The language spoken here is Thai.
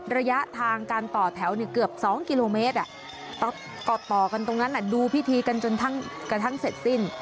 ระยะทางการต่อแถวเกือบ๒กิโลเมตรต่อกันตรงนั้นดูพิธีกันจนกระทั่งเสร็จสิ้น